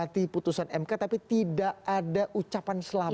dihati putusan mk tapi tidak ada ucapan selamat